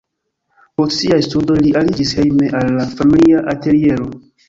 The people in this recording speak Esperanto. Post siaj studoj li aliĝis hejme al la familia ateliero.